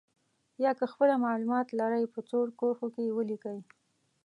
یا که خپله معلومات لرئ په څو کرښو کې یې ولیکئ.